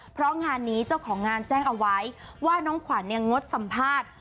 เพราะงานนี้เจ้าของงานแจ้งเอาไว้ว่าน้องขวัญเนี่ยงดสัมภาษณ์